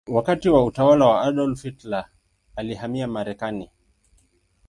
Wakati wa utawala wa Adolf Hitler alihamia Marekani.